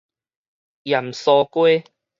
鹽酥雞